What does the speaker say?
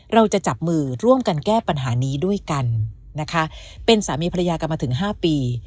เราจะจับมือร่วมกันแก้ปัญหานี้ด้วยกันนะคะเป็นสามีภรรยากันมาถึง๕ปี